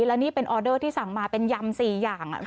แล้วนี่เป็นออเดอร์ที่สั่งมาเป็นยำ๔อย่าง